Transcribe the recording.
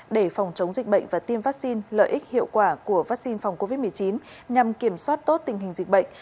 để phòng chống dịch bệnh và tiêm vaccine lợi ích hiệu quả của vaccine phòng covid một mươi chín nhằm kiểm soát tốt tình hình dịch bệnh